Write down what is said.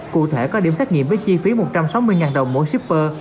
cụ thể có điểm xét nghiệm với chi phí một trăm sáu mươi đồng mỗi shipper